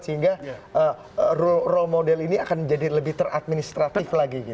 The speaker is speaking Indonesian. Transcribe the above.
sehingga role model ini akan menjadi lebih teradministratif lagi